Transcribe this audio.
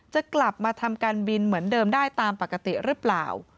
จะกลับมาทำการบินเหมือนเดิมได้ตามปกติหรือเปล่า